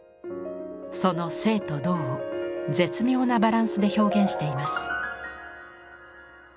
その静と動を絶妙なバランスで表現しています。